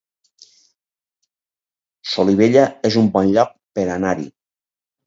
Solivella es un bon lloc per anar-hi